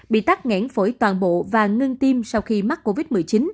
bị tắt nghẽn phổi toàn bộ và ngưng tim sau khi mắc covid một mươi chín